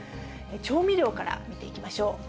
調味料から見ていきましょう。